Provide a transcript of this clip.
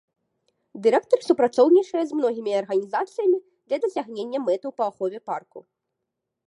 Дырэктарат супрацоўнічае з многімі арганізацыямі для дасягнення мэтаў па ахове парку.